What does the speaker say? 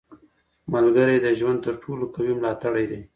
• ملګری د ژوند تر ټولو قوي ملاتړی دی.